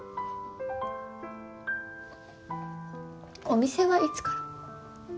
お店はいつから？